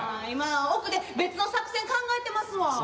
今奥で別の作戦考えてますわ。